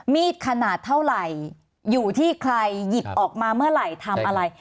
มีดขนาดเท่าไหร่อยู่ที่ใครหยิบออกมาเมื่อไหร่ทำอะไร